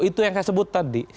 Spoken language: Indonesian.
itu yang saya sebut tadi